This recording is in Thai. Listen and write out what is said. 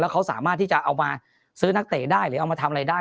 เขาสามารถที่จะเอามาซื้อนักเตะได้หรือเอามาทำอะไรได้